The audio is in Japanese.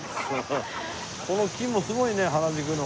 この木もすごいね原宿の。